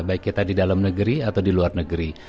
baik kita di dalam negeri atau di luar negeri